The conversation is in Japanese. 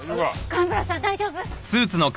蒲原さん大丈夫！？